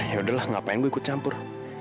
ya udahlah ngapain gue ikut campur